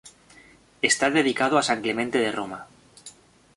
Está dedicado a San Clemente de Roma.